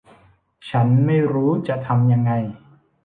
ฉันไม่รู้จะทำยังไง